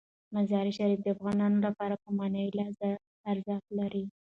مزارشریف د افغانانو لپاره په معنوي لحاظ ارزښت لري.